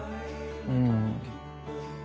うん。